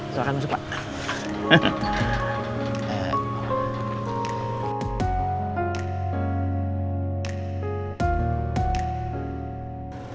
silahkan masuk pak